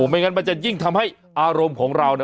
ไม่งั้นมันจะยิ่งทำให้อารมณ์ของเรา